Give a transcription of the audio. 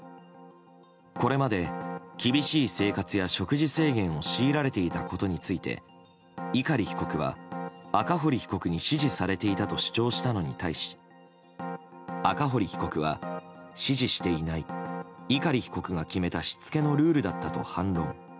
これまで厳しい生活や食事制限を強いられていたことについて碇被告は赤堀被告に指示されていたと主張したのに対し赤堀被告は、指示していない碇被告が決めたしつけのルールだったと反論。